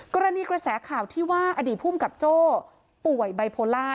กรณีกระแสข่าวที่ว่าอดีตภูมิกับโจ้ป่วยไบโพล่า